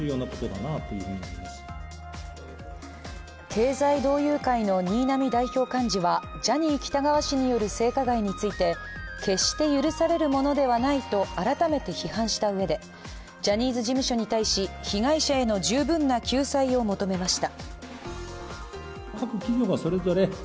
経済同友会の新浪代表幹事はジャニー喜多川氏による性加害について決して許されるものではないと、改めて批判したうえで、ジャニーズ事務所に対し、被害者への十分な救済を求めました。